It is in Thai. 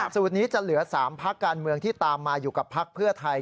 สูตรนี้จะเหลือ๓พักการเมืองที่ตามมาอยู่กับพักเพื่อไทย